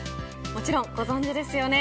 もちろんご存じですよね。